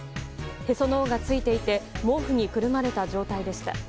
へその緒がついていて毛布にくるまれた状態でした。